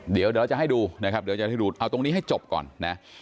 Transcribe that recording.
เดี๋ยวเราจะให้ดูนะครับเอาตรงนี้ให้จบก่อนนะ